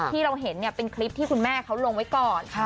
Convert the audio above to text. ที่เราเห็นเป็นคลิปที่คุณแม่เขาลงไว้ก่อน